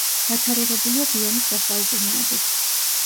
დათარიღებულია გვიანი შუა საუკუნეებით.